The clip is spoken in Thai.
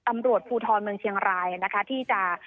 ตำรวจภูทรเมืองเชียงรายนะคะที่จะ